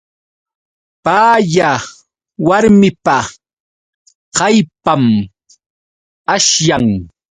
Paya warmipa kallpan ashllam.